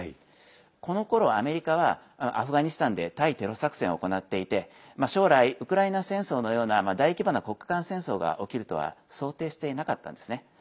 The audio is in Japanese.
このころアメリカはアフガニスタンで対テロ作戦を行っていて将来、ウクライナ戦争のような大規模な国家間戦争が起きるとは想定していなかったんですね。